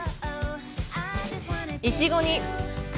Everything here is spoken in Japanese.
いちごに。